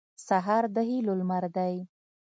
سهار د هیلو لمر دی.